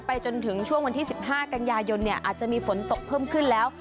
ไปจนถึงช่วงวันที่สิบห้ากันยายนเนี่ยอาจจะมีฝนตกเพิ่มขึ้นแล้ว